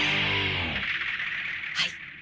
はい。